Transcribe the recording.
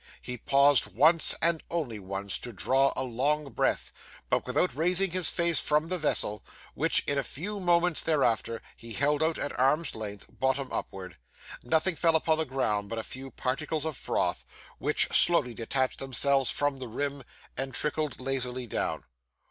He paused once, and only once, to draw a long breath, but without raising his face from the vessel, which, in a few moments thereafter, he held out at arm's length, bottom upward. Nothing fell upon the ground but a few particles of froth, which slowly detached themselves from the rim, and trickled lazily down.